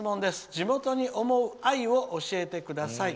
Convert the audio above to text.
地元に思う愛を教えてください。